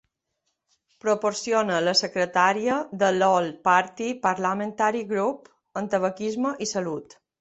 Proporciona la secretaria de l'All-Party Parliamentary Group en tabaquisme i salut.